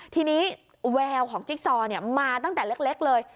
ทีนี้แววของจิ๊กซอมาตั้งแต่เล็กเลย